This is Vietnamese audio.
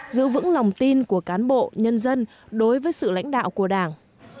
giữ vững lòng tin của cán bộ nhân dân đối với sự lãnh đạo của đảng